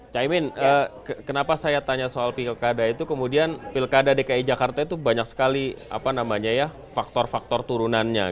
caimin kenapa saya tanya soal pilkada itu kemudian pilkada dki jakarta itu banyak sekali faktor faktor turunannya